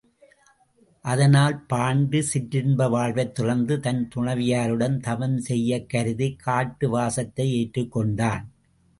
அதனால் பாண்டு சிற்றின்ப வாழ்வைத் துறந்து தன் துணைவியருடன் தவம் செய்யக் கருதிக் காட்டுவாசத்தை ஏற்றுக் கொண்டான்.